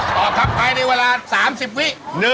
ตอบครับภายในเวลา๓๐วิ